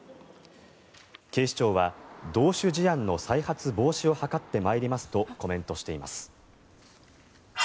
警視庁は同種事案の再発防止を図ってまいりますとコメントしています。